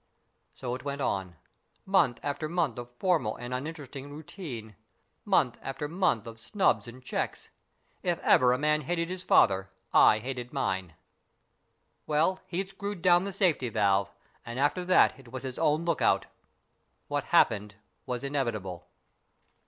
So it went on. Month after month of formal and uninteresting routine. Month after month of snubs and checks. If ever a man hated his father, I hated mine. Well, he'd screwed down the safety valve, and after that it was his own look out. What happened was inevitable."